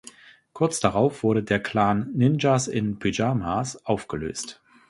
Kurz darauf wurde der Clan Ninjas in Pyjamas aufgelöst.